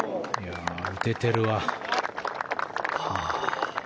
打ててるわ。